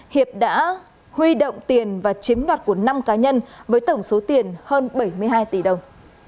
hiệp đã huy động tiền và chiếm đoạt của năm cá nhân với tổng số tiền hơn bảy mươi hai tỷ đồng